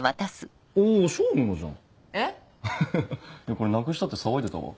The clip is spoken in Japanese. これなくしたって騒いでたわ。